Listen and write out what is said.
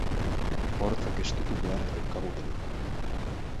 Hortzak estutu beharra daukagu denok.